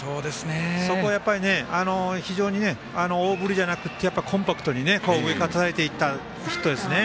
そこを非常に大振りじゃなくてコンパクトに、上からたたいていったヒットですね。